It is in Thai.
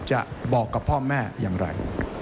จะบอกกับพ่อแม่อย่างไร